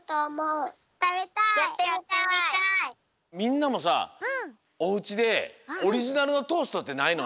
みんなもさおうちでオリジナルのトーストってないの？